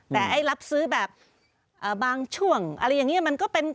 แต่ไอ้รับซื้อแบบบางช่วงอะไรอย่างนี้มันก็เป็น